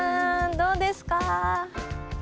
どうですか？